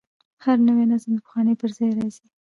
هر نوی نظم د پخواني پر ځای راځي.